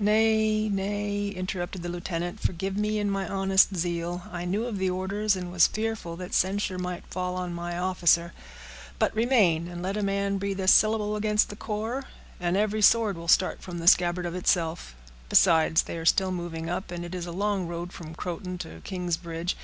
"Nay, nay," interrupted the lieutenant, "forgive me and my honest zeal. I knew of the orders, and was fearful that censure might fall on my officer. But remain, and let a man breathe a syllable against the corps, and every sword will start from the scabbard of itself; besides, they are still moving up, and it is a long road from Croton to King's Bridge.